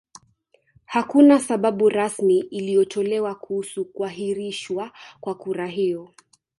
Hakuna sababu rasmi iliyotolewa kuhusu kuahirishwa kwa kura hiyo